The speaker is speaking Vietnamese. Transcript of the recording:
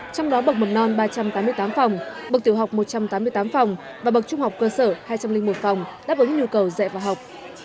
trong đó bậc mầm non ba trăm tám mươi tám phòng bậc tiểu học một trăm tám mươi tám phòng và bậc trung học cơ sở hai trăm linh một phòng đáp ứng nhu cầu dạy và học